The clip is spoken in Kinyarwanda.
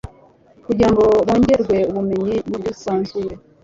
kugira ngo bongererwe ubumenyi n'ubwisanzure